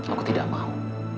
aku tidak mau